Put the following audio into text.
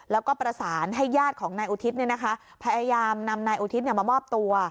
แล้วก็ประสานให้ญาติของนายอุทิศเนี้ยนะคะพยายามนำนายอุทิศเนี้ยมามอบตัว